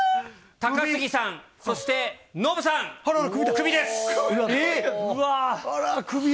高杉さん、そしてノブさん、あらら、クビだ。